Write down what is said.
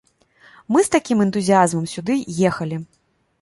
Мы з такім энтузіязмам сюды ехалі.